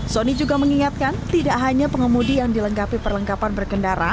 sony juga mengingatkan tidak hanya pengemudi yang dilengkapi perlengkapan berkendara